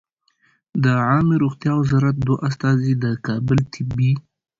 د عامې روغتیا وزارت دوه استازي د کابل طبي